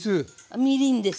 みりんです。